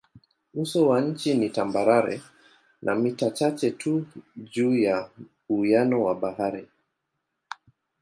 Uso wa nchi ni tambarare na mita chache tu juu ya uwiano wa bahari.